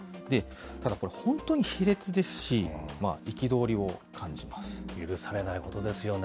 ただこれ、本当に卑劣ですし、許されないことですよね。